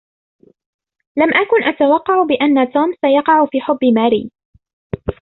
لم أكن أتوقع بأن "توم"سيقع في حب "ماري"